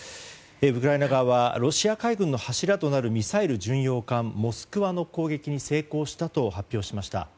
ウクライナ側はロシア海軍の柱となるミサイル巡洋艦「モスクワ」の攻撃に成功したと発表しました。